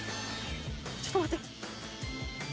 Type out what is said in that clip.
ちょっと待って。